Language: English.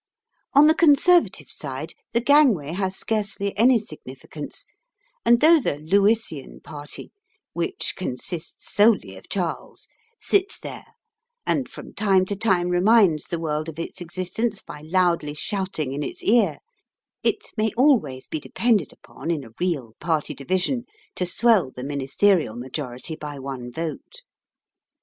On the Conservative side the gangway has scarcely any significance, and though the Lewisian "Party," which consists solely of Charles, sits there, and from time to time reminds the world of its existence by loudly shouting in its ear, it may always be depended upon in a real party division to swell the Ministerial majority by one vote.